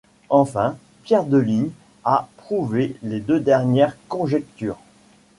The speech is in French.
Enfin, Pierre Deligne a prouvé les deux dernières conjectures.